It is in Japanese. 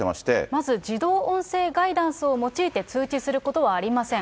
まず自動音声ガイダンスを用いて通知することはありません。